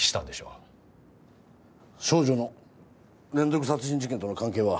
少女の連続殺人事件との関係は？